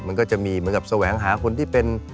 มันก็จะมีเหมือนกับแสวงหาคนที่เป็น